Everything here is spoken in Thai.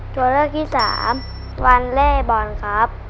ตัวเลือกที่สามวันเล่บอลครับ